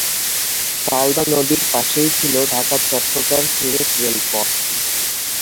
সালদা নদীর পাশেই ছিলো ঢাকা-চট্টগ্রাম-সিলেট রেলপথ।